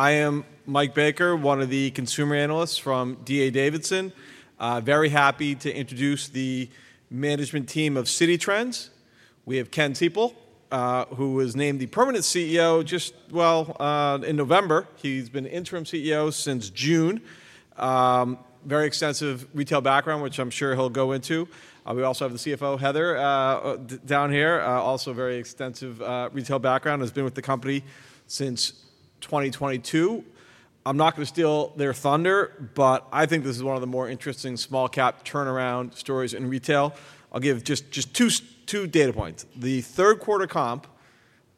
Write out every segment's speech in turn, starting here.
I am Mike Baker, one of the consumer analysts from D.A. Davidson. Very happy to introduce the management team of Citi Trends. We have Kenneth Seipel, who was named the permanent CEO just, well, in November. He's been interim CEO since June. Very extensive retail background, which I'm sure he'll go into. We also have the CFO, Heather, down here. Also very extensive retail background. She's been with the company since 2022. I'm not going to steal their thunder, but I think this is one of the more interesting small-cap turnaround stories in retail. I'll give just two data points. The third-quarter comp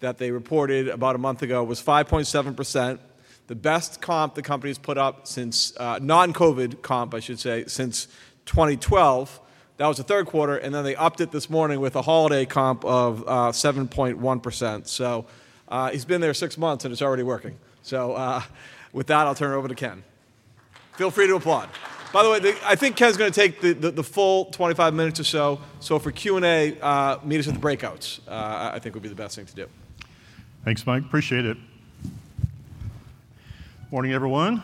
that they reported about a month ago was 5.7%, the best comp the company's put up since non-COVID comp, I should say, since 2012. That was the third quarter, and then they upped it this morning with a holiday comp of 7.1%. So he's been there six months, and it's already working. So with that, I'll turn it over to Kenneth. Feel free to applaud. By the way, I think Kenneth's going to take the full 25 minutes or so. So for Q&A, meet us at the breakouts, I think would be the best thing to do. Thanks, Mike. Appreciate it. Morning, everyone.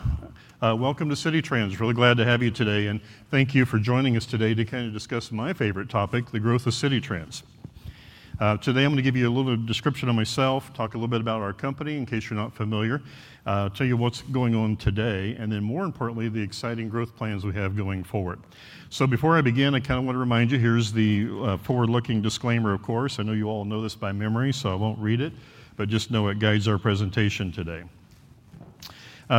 Welcome to Citi Trends. Really glad to have you today. And thank you for joining us today to kind of discuss my favorite topic, the growth of Citi Trends. Today, I'm going to give you a little description of myself, talk a little bit about our company, in case you're not familiar, tell you what's going on today, and then, more importantly, the exciting growth plans we have going forward. So before I begin, I kind of want to remind you, here's the forward-looking disclaimer, of course. I know you all know this by memory, so I won't read it, but just know it guides our presentation today.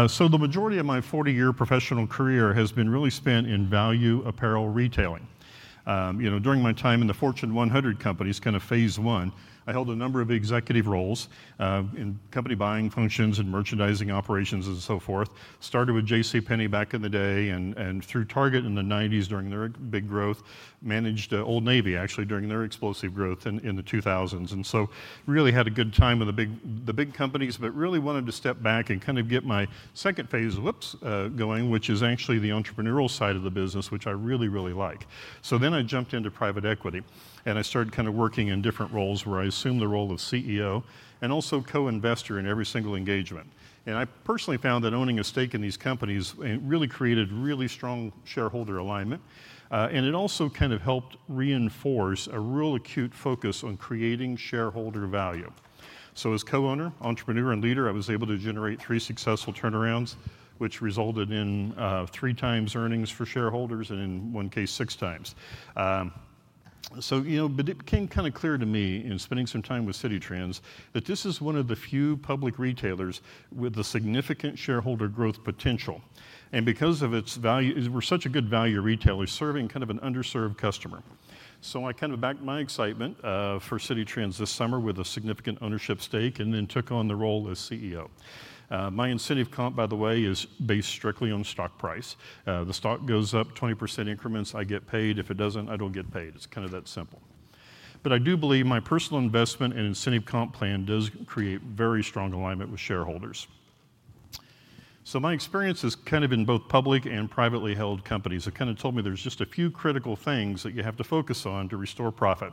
So the majority of my 40-year professional career has been really spent in value apparel retailing. During my time in the Fortune 100 companies, kind of phase one, I held a number of executive roles in company buying functions and merchandising operations and so forth. Started with J.C. Penney, back in the day, and through Target in the 1990s during their big growth. Managed Old Navy, actually, during their explosive growth in the 2000s. And so really had a good time with the big companies, but really wanted to step back and kind of get my second phase going, which is actually the entrepreneurial side of the business, which I really, really like. So then I jumped into private equity, and I started kind of working in different roles where I assumed the role of CEO and also co-investor in every single engagement. And I personally found that owning a stake in these companies really created really strong shareholder alignment. It also kind of helped reinforce a real acute focus on creating shareholder value. As co-owner, entrepreneur, and leader, I was able to generate three successful turnarounds, which resulted in three times earnings for shareholders and, in one case, six times. It became kind of clear to me in spending some time with Citi Trends that this is one of the few public retailers with a significant shareholder growth potential. Because of its value, we're such a good value retailer serving kind of an underserved customer. I kind of backed my excitement for Citi Trends this summer with a significant ownership stake and then took on the role as CEO. My incentive comp, by the way, is based strictly on stock price. The stock goes up 20% increments. I get paid. If it doesn't, I don't get paid. It's kind of that simple. But I do believe my personal investment and incentive comp plan does create very strong alignment with shareholders. So my experience has kind of been both public and privately held companies have kind of told me there's just a few critical things that you have to focus on to restore profit: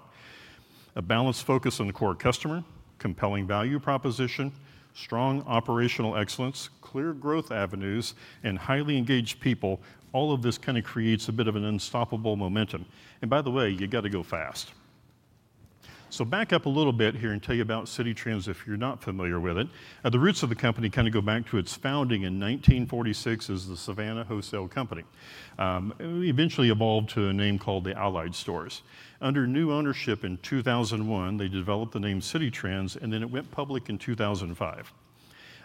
a balanced focus on the core customer, compelling value proposition, strong operational excellence, clear growth avenues, and highly engaged people. All of this kind of creates a bit of an unstoppable momentum. And by the way, you got to go fast. So back up a little bit here and tell you about Citi Trends if you're not familiar with it. The roots of the company kind of go back to its founding in 1946 as the Savannah Wholesale Company. It eventually evolved to a name called the Allied Stores. Under new ownership in 2001, they developed the name Citi Trends, and then it went public in 2005.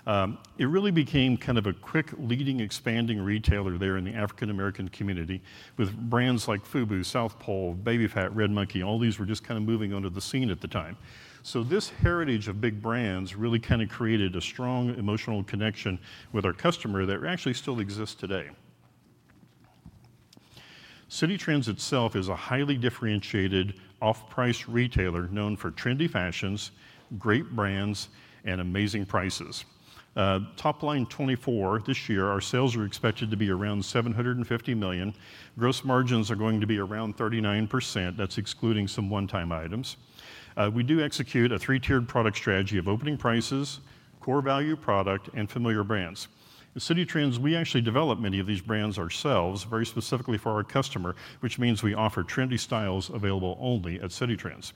It really became kind of a quick, leading, expanding retailer there in the African-American community with brands like FUBU, Southpole, Baby Phat, Red Monkey. All these were just kind of moving onto the scene at the time. So this heritage of big brands really kind of created a strong emotional connection with our customer that actually still exists today. Citi Trends itself is a highly differentiated, off-price retailer known for trendy fashions, great brands, and amazing prices. Top line 2024, this year, our sales are expected to be around $750 million. Gross margins are going to be around 39%. That's excluding some one-time items. We do execute a three-tiered product strategy of opening prices, core value product, and familiar brands. At Citi Trends, we actually develop many of these brands ourselves, very specifically for our customer, which means we offer trendy styles available only at Citi Trends.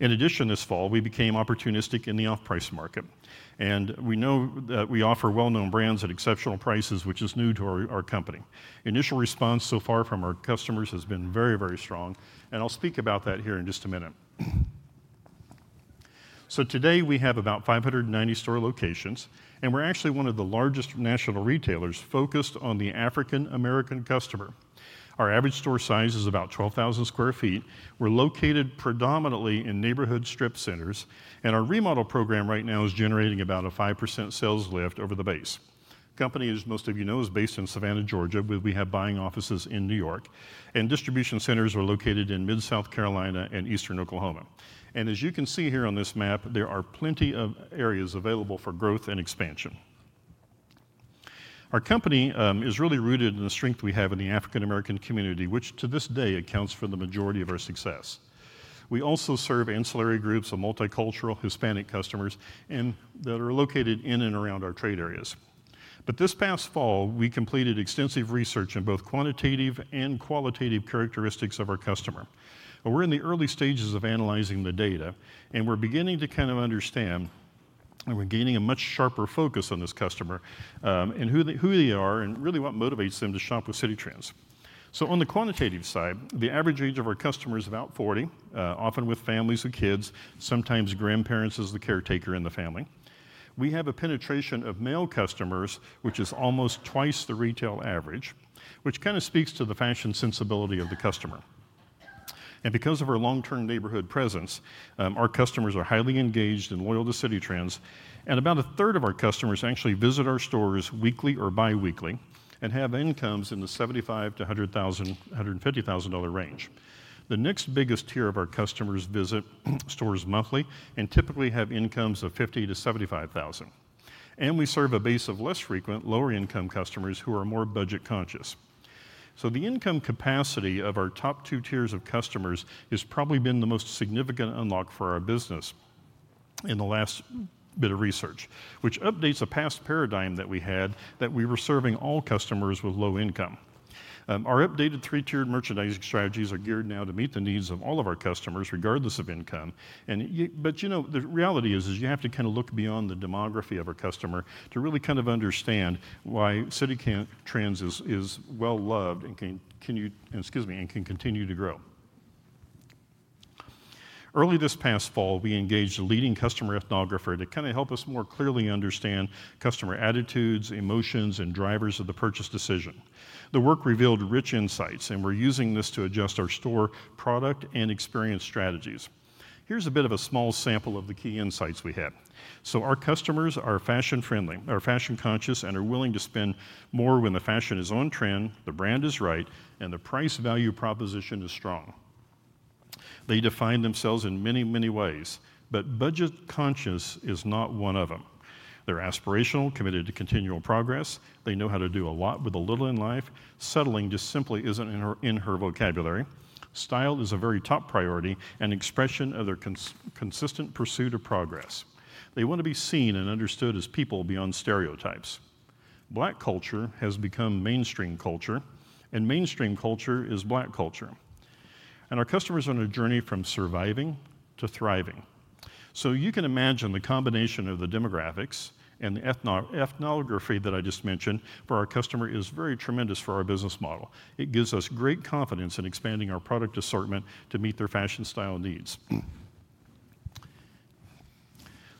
In addition, this fall, we became opportunistic in the off-price market. And we know that we offer well-known brands at exceptional prices, which is new to our company. Initial response so far from our customers has been very, very strong. And I'll speak about that here in just a minute. So today, we have about 590 store locations, and we're actually one of the largest national retailers focused on the African-American customer. Our average store size is about 12,000 sq ft. We're located predominantly in neighborhood strip centers. And our remodel program right now is generating about a 5% sales lift over the base. The company, as most of you know, is based in Savannah, Georgia, where we have buying offices in New York, and distribution centers are located in mid-South Carolina and eastern Oklahoma, and as you can see here on this map, there are plenty of areas available for growth and expansion. Our company is really rooted in the strength we have in the African-American community, which to this day accounts for the majority of our success. We also serve ancillary groups of multicultural Hispanic customers that are located in and around our trade areas, but this past fall, we completed extensive research in both quantitative and qualitative characteristics of our customer. We're in the early stages of analyzing the data, and we're beginning to kind of understand, and we're gaining a much sharper focus on this customer and who they are and really what motivates them to shop with Citi Trends. So on the quantitative side, the average age of our customer is about 40, often with families and kids, sometimes grandparents as the caretaker in the family. We have a penetration of male customers, which is almost twice the retail average, which kind of speaks to the fashion sensibility of the customer. And because of our long-term neighborhood presence, our customers are highly engaged and loyal to Citi Trends. And about a third of our customers actually visit our stores weekly or biweekly and have incomes in the $75,000-$150,000 range. The next biggest tier of our customers visit stores monthly and typically have incomes of $50,000-$75,000. And we serve a base of less frequent, lower-income customers who are more budget-conscious. So the income capacity of our top two tiers of customers has probably been the most significant unlock for our business in the last bit of research, which updates a past paradigm that we had that we were serving all customers with low income. Our updated three-tiered merchandising strategies are geared now to meet the needs of all of our customers, regardless of income. But the reality is, you have to kind of look beyond the demography of our customer to really kind of understand why Citi Trends is well-loved and can continue to grow. Early this past fall, we engaged a leading customer ethnographer to kind of help us more clearly understand customer attitudes, emotions, and drivers of the purchase decision. The work revealed rich insights, and we're using this to adjust our store, product, and experience strategies. Here's a bit of a small sample of the key insights we had. So our customers are fashion-friendly, are fashion-conscious, and are willing to spend more when the fashion is on trend, the brand is right, and the price-value proposition is strong. They define themselves in many, many ways, but budget conscious is not one of them. They're aspirational, committed to continual progress. They know how to do a lot with a little in life. Settling just simply isn't in her vocabulary. Style is a very top priority and expression of their consistent pursuit of progress. They want to be seen and understood as people beyond stereotypes. Black culture has become mainstream culture, and mainstream culture is Black culture. And our customers are on a journey from surviving to thriving. So you can imagine the combination of the demographics and the ethnography that I just mentioned for our customer is very tremendous for our business model. It gives us great confidence in expanding our product assortment to meet their fashion style needs.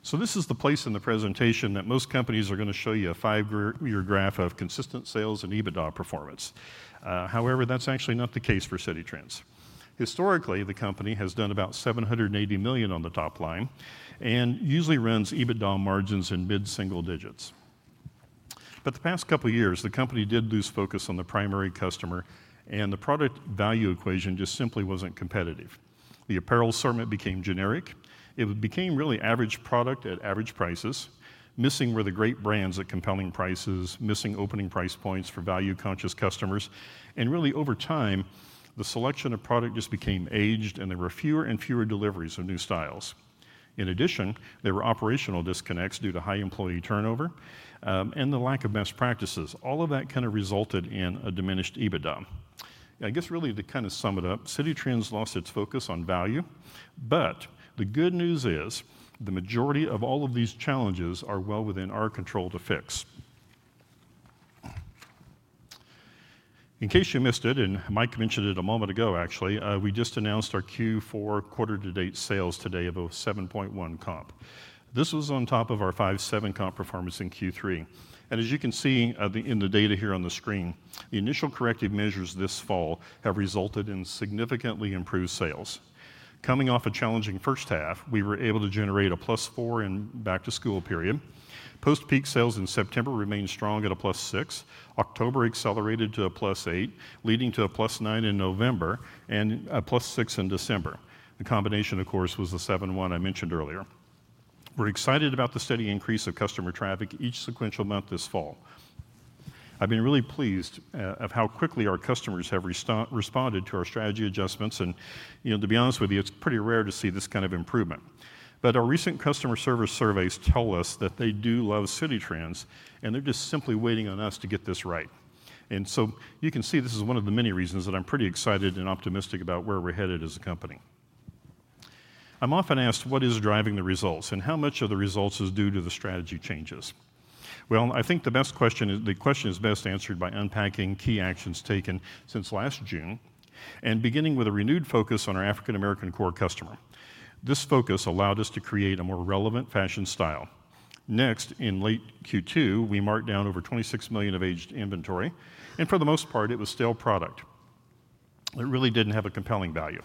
So this is the place in the presentation that most companies are going to show you a five-year graph of consistent sales and EBITDA performance. However, that's actually not the case for Citi Trends. Historically, the company has done about $780 million on the top line and usually runs EBITDA margins in mid-single digits. But the past couple of years, the company did lose focus on the primary customer, and the product value equation just simply wasn't competitive. The apparel assortment became generic. It became really average product at average prices, missing where the great brands at compelling prices, missing opening price points for value-conscious customers. And really, over time, the selection of product just became aged, and there were fewer and fewer deliveries of new styles. In addition, there were operational disconnects due to high employee turnover and the lack of best practices. All of that kind of resulted in a diminished EBITDA. I guess really, to kind of sum it up, Citi Trends lost its focus on value. But the good news is the majority of all of these challenges are well within our control to fix. In case you missed it, and Mike mentioned it a moment ago, actually, we just announced our Q4 quarter-to-date sales today of a 7.1 comp. This was on top of our 5.7 comp performance in Q3. And as you can see in the data here on the screen, the initial corrective measures this fall have resulted in significantly improved sales. Coming off a challenging first half, we were able to generate a +4% back-to-school period. Post-peak sales in September remained strong at a +6%. October accelerated to a +8%, leading to a +9% in November and a +6% in December. The combination, of course, was the +7.1% I mentioned earlier. We're excited about the steady increase of customer traffic each sequential month this fall. I've been really pleased with how quickly our customers have responded to our strategy adjustments. To be honest with you, it's pretty rare to see this kind of improvement. Our recent customer service surveys tell us that they do love Citi Trends, and they're just simply waiting on us to get this right. You can see this is one of the many reasons that I'm pretty excited and optimistic about where we're headed as a company. I'm often asked, what is driving the results and how much of the results is due to the strategy changes? Well, I think the best question is best answered by unpacking key actions taKenneth since last June and beginning with a renewed focus on our African-American core customer. This focus allowed us to create a more relevant fashion style. Next, in late Q2, we marked down over $26 million of aged inventory. And for the most part, it was stale product. It really didn't have a compelling value.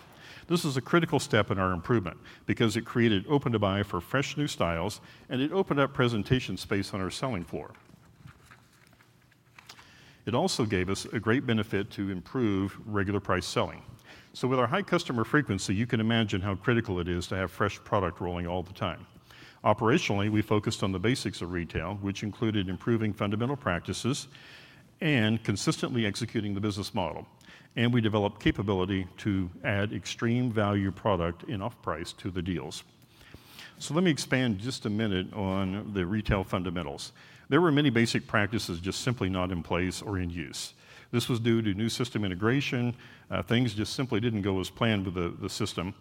This is a critical step in our improvement because it created open to buy for fresh new styles, and it opened up presentation space on our selling floor. It also gave us a great benefit to improve regular price selling. So with our high customer frequency, you can imagine how critical it is to have fresh product rolling all the time. Operationally, we focused on the basics of retail, which included improving fundamental practices and consistently executing the business model. And we developed capability to add extreme value product in off-price to the deals. So let me expand just a minute on the retail fundamentals. There were many basic practices just simply not in place or in use. This was due to new system integration. Things just simply didn't go as planned with the system.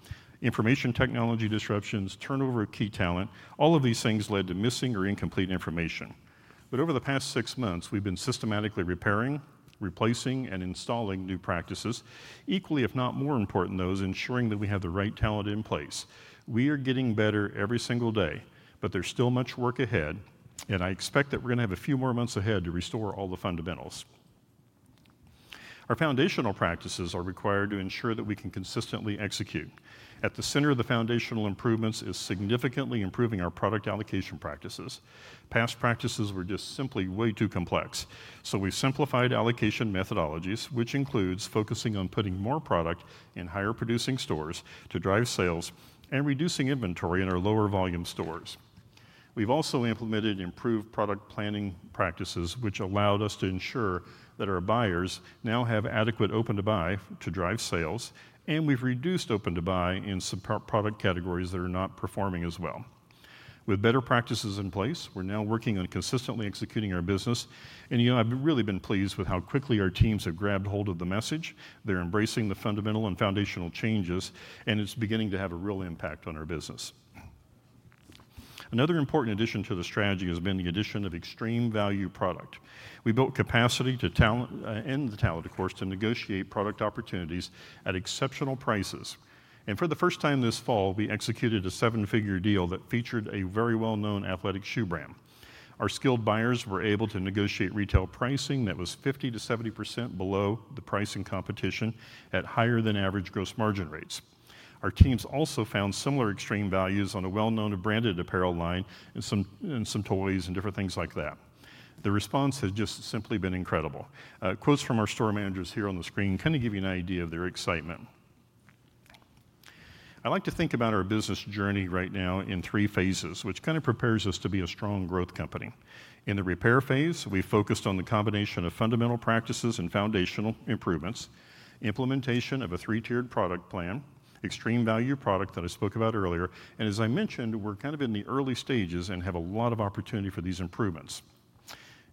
Information technology disruptions, turnover of key talent, all of these things led to missing or incomplete information. But over the past six months, we've been systematically repairing, replacing, and installing new practices, equally, if not more important than those, ensuring that we have the right talent in place. We are getting better every single day, but there's still much work ahead, and I expect that we're going to have a few more months ahead to restore all the fundamentals. Our foundational practices are required to ensure that we can consistently execute. At the center of the foundational improvements is significantly improving our product allocation practices. Past practices were just simply way too complex. So we simplified allocation methodologies, which includes focusing on putting more product in higher-producing stores to drive sales and reducing inventory in our lower-volume stores. We've also implemented improved product planning practices, which allowed us to ensure that our buyers now have adequate open to buy to drive sales, and we've reduced open to buy in some product categories that are not performing as well. With better practices in place, we're now working on consistently executing our business. I've really been pleased with how quickly our teams have grabbed hold of the message. They're embracing the fundamental and foundational changes, and it's beginning to have a real impact on our business. Another important addition to the strategy has been the addition of extreme value product. We built capacity and the talent, of course, to negotiate product opportunities at exceptional prices. For the first time this fall, we executed a seven-figure deal that featured a very well-known athletic shoe brand. Our skilled buyers were able to negotiate retail pricing that was 50%-70% below the price in competition at higher-than-average gross margin rates. Our teams also found similar extreme values on a well-known branded apparel line and some toys and different things like that. The response has just simply been incredible. Quotes from our store managers here on the screen kind of give you an idea of their excitement. I like to think about our business journey right now in three phases, which kind of prepares us to be a strong growth company. In the repair phase, we focused on the combination of fundamental practices and foundational improvements, implementation of a three-tiered product plan, extreme value product that I spoke about earlier. And as I mentioned, we're kind of in the early stages and have a lot of opportunity for these improvements.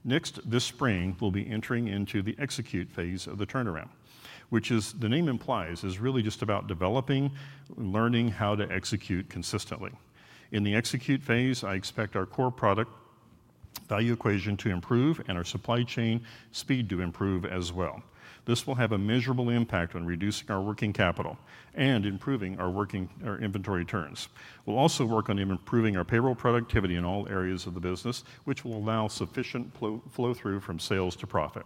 Next, this spring, we'll be entering into the execute phase of the turnaround, which, as the name implies, is really just about developing and learning how to execute consistently. In the execute phase, I expect our core product value equation to improve and our supply chain speed to improve as well. This will have a measurable impact on reducing our working capital and improving our inventory turns. We'll also work on improving our payroll productivity in all areas of the business, which will allow sufficient flow-through from sales to profit.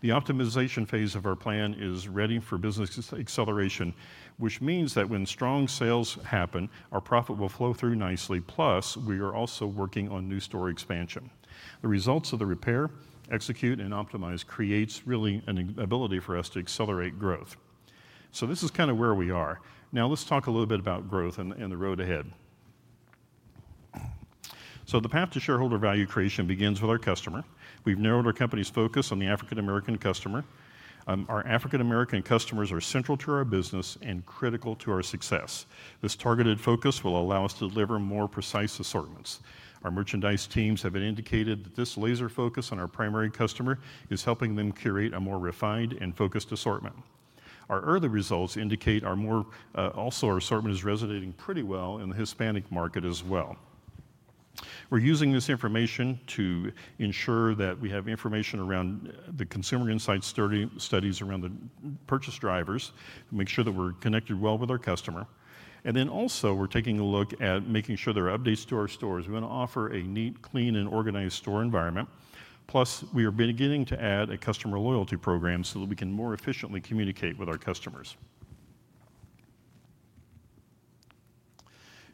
The optimization phase of our plan is ready for business acceleration, which means that when strong sales happen, our profit will flow through nicely. Plus, we are also working on new store expansion. The results of the repair, execute, and optimize creates really an ability for us to accelerate growth. So this is kind of where we are. Now, let's talk a little bit about growth and the road ahead. So the path to shareholder value creation begins with our customer. We've narrowed our company's focus on the African-American customer. Our African-American customers are central to our business and critical to our success. This targeted focus will allow us to deliver more precise assortments. Our merchandise teams have indicated that this laser focus on our primary customer is helping them curate a more refined and focused assortment. Our early results indicate also our assortment is resonating pretty well in the Hispanic market as well. We're using this information to ensure that we have information around the consumer insight studies around the purchase drivers, make sure that we're connected well with our customer. And then also, we're taking a look at making sure there are updates to our stores. We want to offer a neat, clean, and organized store environment. Plus, we are beginning to add a customer loyalty program so that we can more efficiently communicate with our customers.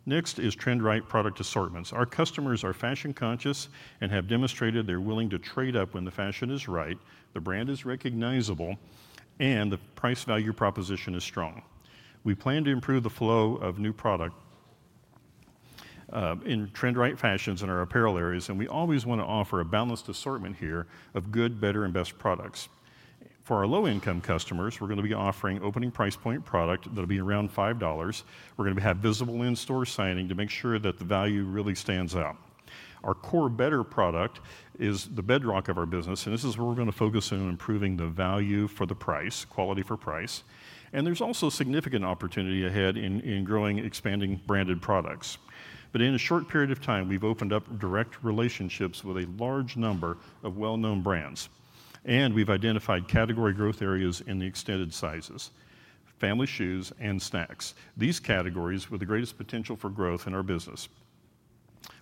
Next is trend-right product assortments. Our customers are fashion-conscious and have demonstrated they're willing to trade up when the fashion is right, the brand is recognizable, and the price-value proposition is strong. We plan to improve the flow of new product in trend-right fashions in our apparel areas, and we always want to offer a balanced assortment here of good, better, and best products. For our low-income customers, we're going to be offering opening price point product that'll be around $5. We're going to have visible in-store signing to make sure that the value really stands out. Our core better product is the bedrock of our business, and this is where we're going to focus on improving the value for the price, quality for price. And there's also significant opportunity ahead in growing, expanding branded products. But in a short period of time, we've opened up direct relationships with a large number of well-known brands, and we've identified category growth areas in the extended sizes, family shoes, and snacks. These categories with the greatest potential for growth in our business.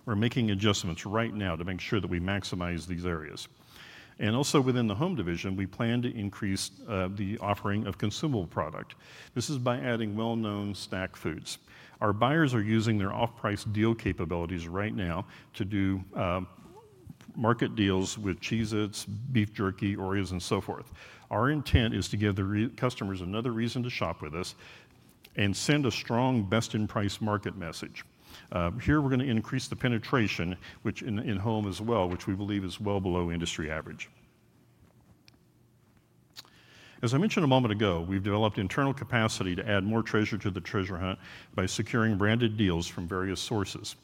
We're making adjustments right now to make sure that we maximize these areas. And also within the home division, we plan to increase the offering of consumable product. This is by adding well-known snack foods. Our buyers are using their off-price deal capabilities right now to do market deals with Cheez-It, Beef Jerky, Oreos, and so forth. Our intent is to give the customers another reason to shop with us and send a strong best-in-price market message. Here, we're going to increase the penetration, which in home as well, which we believe is well below industry average. As I mentioned a moment ago, we've developed internal capacity to add more treasure to the treasure hunt by securing branded deals from various sources.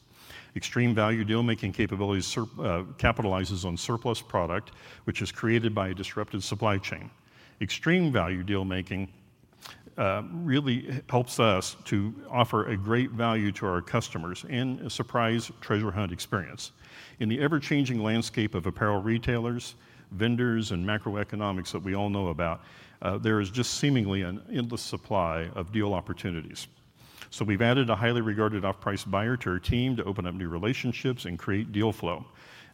Extreme value deal-making capabilities capitalizes on surplus product, which is created by a disrupted supply chain. Extreme value deal-making really helps us to offer a great value to our customers and a surprise treasure hunt experience. In the ever-changing landscape of apparel retailers, vendors, and macroeconomics that we all know about, there is just seemingly an endless supply of deal opportunities. So we've added a highly regarded off-price buyer to our team to open up new relationships and create deal flow.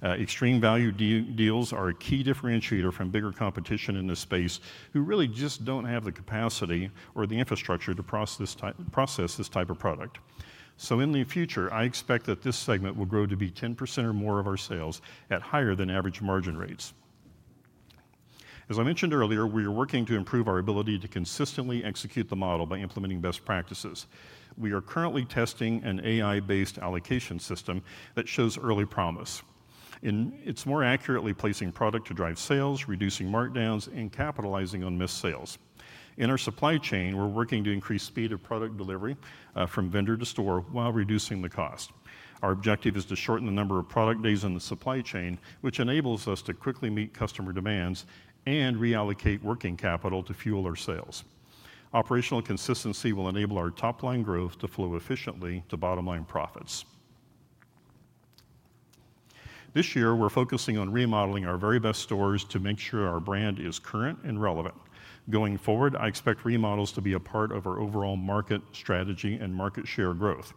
Extreme value deals are a key differentiator from bigger competition in this space who really just don't have the capacity or the infrastructure to process this type of product. In the future, I expect that this segment will grow to be 10% or more of our sales at higher than average margin rates. As I mentioned earlier, we are working to improve our ability to consistently execute the model by implementing best practices. We are currently testing an AI-based allocation system that shows early promise. It's more accurately placing product to drive sales, reducing markdowns, and capitalizing on missed sales. In our supply chain, we're working to increase speed of product delivery from vendor to store while reducing the cost. Our objective is to shorten the number of product days in the supply chain, which enables us to quickly meet customer demands and reallocate working capital to fuel our sales. Operational consistency will enable our top-line growth to flow efficiently to bottom-line profits. This year, we're focusing on remodeling our very best stores to make sure our brand is current and relevant. Going forward, I expect remodels to be a part of our overall market strategy and market share growth.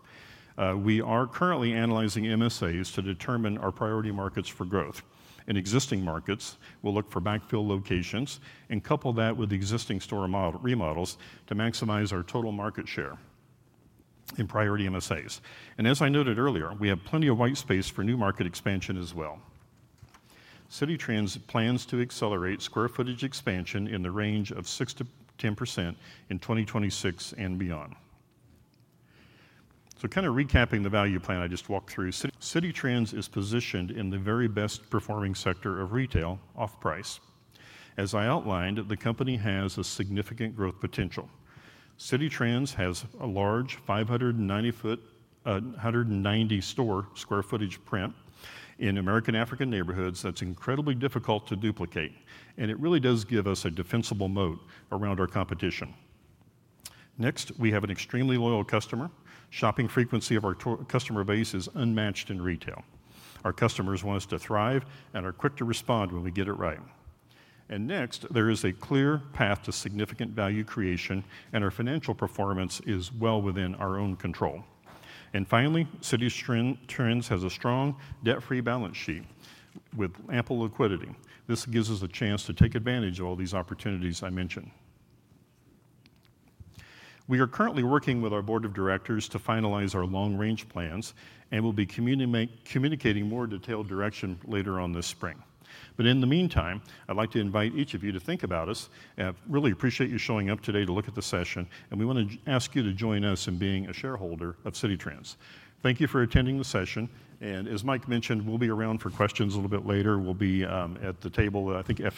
We are currently analyzing MSAs to determine our priority markets for growth. In existing markets, we'll look for backfill locations and couple that with existing store remodels to maximize our total market share in priority MSAs, and as I noted earlier, we have plenty of white space for new market expansion as well. Citi Trends plans to accelerate square footage expansion in the range of 6%-10% in 2026 and beyond, so kind of recapping the value plan I just walked through, Citi Trends is positioned in the very best-performing sector of retail, off-price. As I outlined, the company has a significant growth potential. Citi Trends has a large 590 sq ft, 190-store square footage footprint in African American neighborhoods that's incredibly difficult to duplicate. It really does give us a defensible moat around our competition. Next, we have an extremely loyal customer. Shopping frequency of our customer base is unmatched in retail. Our customers want us to thrive and are quick to respond when we get it right. Next, there is a clear path to significant value creation, and our financial performance is well within our own control. Finally, Citi Trends has a strong debt-free balance sheet with ample liquidity. This gives us a chance to take advantage of all these opportunities I mentioned. We are currently working with our board of directors to finalize our long-range plans and will be communicating more detailed direction later on this spring. But in the meantime, I'd like to invite each of you to think about us. I really appreciate you showing up today to look at the session, and we want to ask you to join us in being a shareholder of Citi Trends. Thank you for attending the session. And as Mike mentioned, we'll be around for questions a little bit later. We'll be at the table, I think.